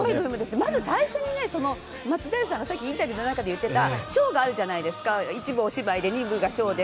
まず最初にね、松平さんがさっきインタビューの中で言ってたショーがあるじゃないですか、１部お芝居で２部がショーで。